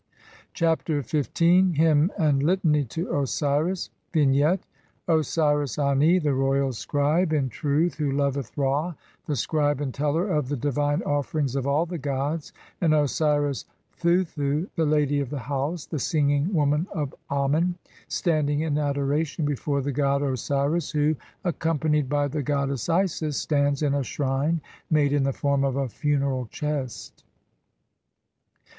Chapter XV. Hymn and Litany to Osiris. [From the Papyrus of Ani (Brit. Mus. No. 10,470, sheet 19).] Vignette : "Osiris Ani, the royal scribe in truth, who loveth Ra, the "scribe and teller of the divine offerings of all the gods", and "Osiris "Thuthu, the ladv of the house, the singing woman of Amen", standing in adoration before the god Osiris who, accompanied by the goddess Isis, stands in a shrine made in the form of a funeral chest.